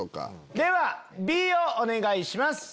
ではＢをお願いします。